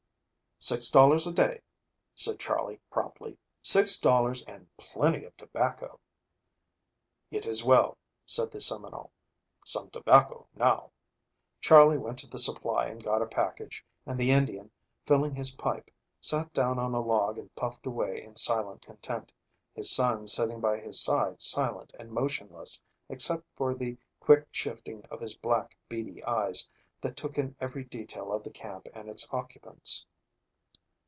"Six dollars a day," said Charley promptly. "Six dollars and plenty of tobacco." "It is well," said the Seminole. "Some tobacco now." Charley went to the supply and got a package, and the Indian, filling his pipe, sat down on a log and puffed away in silent content, his son sitting by his side silent and motionless except for the quick shifting of his black, beady eyes that took in every detail of the camp and its occupants.